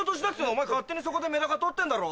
お前勝手にそこでメダカ取ってんだろ？